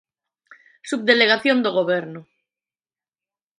Subdelegación do Goberno.